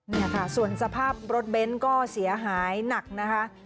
นี่ค่ะส่วนสภาพรถเบนท์ก็เสียหายหนักนะคะ